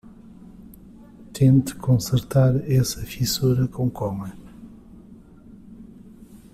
Tente consertar essa fissura com cola.